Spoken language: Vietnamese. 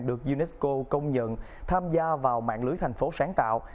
được unesco công nhận tham gia vào mạng lưới thành phố sáng tạo